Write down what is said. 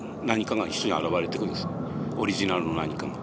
オリジナルの何かが。